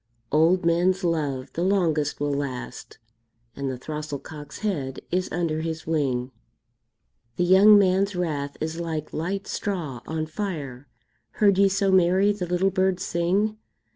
Old men's love the longest will last, And the throstle cock's head is under his wing. The young man's wrath is like light straw on fire; Heard ye so merry the little bird sing?